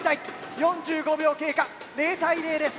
４５秒経過０対０です。